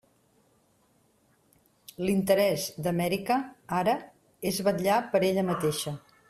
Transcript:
L'interès d'Amèrica ara és vetllar per ella mateixa.